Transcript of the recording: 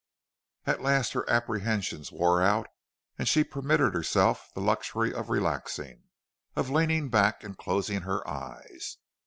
At last her apprehensions wore out and she permitted herself the luxury of relaxing, of leaning back and closing her eyes.